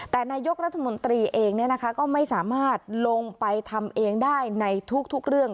แต่นายกรัฐมนตรีเองก็ไม่สามารถลงไปทำเองได้ในทุกเรื่อง